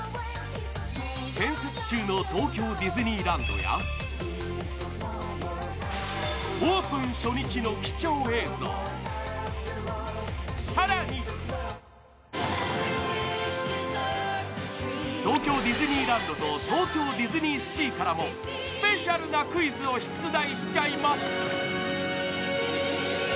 建設中の東京ディズニーランドやオープン初日の貴重映像、更に東京ディズニーランドと東京ディズニーシーからもスペシャルなクイズを出題しちゃいます。